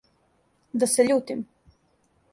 Да се љутим?